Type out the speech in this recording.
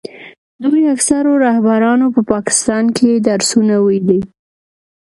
دوی اکثرو رهبرانو په پاکستان کې درسونه ویلي.